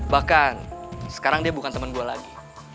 bahkan sekarang dia bukan teman gue lagi